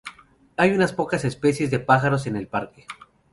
Hay unas pocas especies de pájaros en el parque.